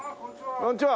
こんにちは。